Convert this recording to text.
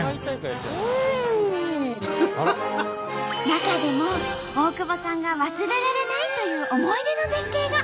中でも大久保さんが忘れられないという思い出の絶景が。